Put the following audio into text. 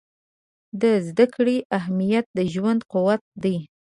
د زده کړې اهمیت د ژوند قوت دی.